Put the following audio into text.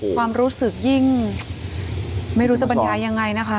ความรู้สึกยิ่งไม่รู้จะบรรยายยังไงนะคะ